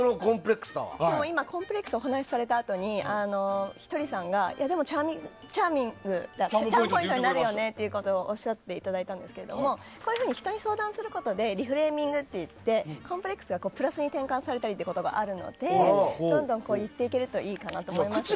でも今、コンプレックスをお話しされたあとにチャームポイントになるよねっておっしゃっていただいたんですが人に相談することでリフレーミングといってコンプレックスがプラスに転換されることもあるのでどんどん言っていけるといいかなと思いますね。